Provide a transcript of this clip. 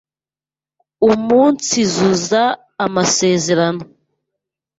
Umunsizuza amasezerano,